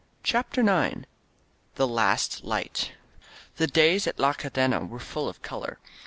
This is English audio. CHAPTER IX THE LAST NIGftT THE days at La Cadena were full of color.